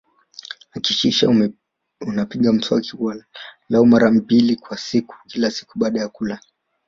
Hakikisha unapiga mswaki walau mara mbili kwa siku kila siku baada ya kula